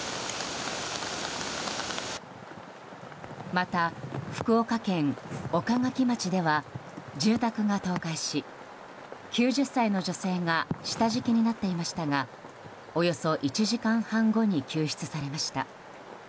また福岡県岡垣町では住宅が倒壊し９０歳の女性が下敷きになっていましたがおよそ１時間半後に救出されました。